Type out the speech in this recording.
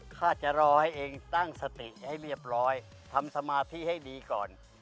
ข้าจะรอให้เองตั้งสติให้เรียบร้อยทำสมาธิให้ดีก่อน